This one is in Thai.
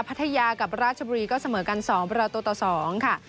พัทยากับราชบุรีก็เสมอกัน๒ประตูต่อ๒ค่ะ